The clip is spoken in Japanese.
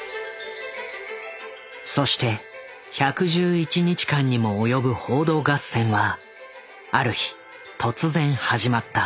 そして１１１日間にも及ぶ報道合戦はある日突然始まった。